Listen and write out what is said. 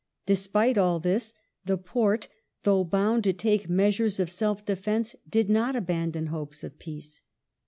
Despite all this, the Porte, though bound to take measures of self defence, did not abandon hopes of peace.